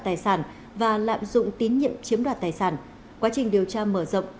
tài sản và lạm dụng tín nhiệm chiếm đoạt tài sản quá trình điều tra mở rộng